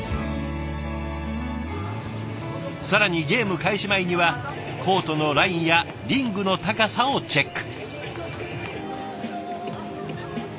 更にゲーム開始前にはコートのラインやリングの高さをチェック。